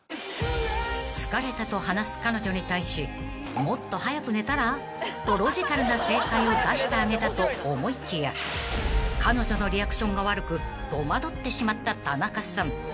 ［「疲れた」と話す彼女に対し「もっと早く寝たら？」とロジカルな正解を出してあげたと思いきや彼女のリアクションが悪く戸惑ってしまった田中さん］